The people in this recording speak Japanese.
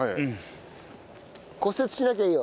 骨折しなきゃいいよ。